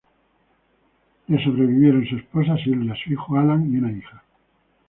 Le sobrevivieron su esposa Sylvia, su hijo Alan, y una hija.